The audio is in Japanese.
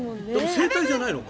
声帯じゃないのか。